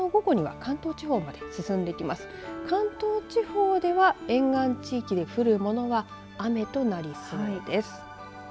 関東地方では沿岸地域で降るものは雨となりそうです。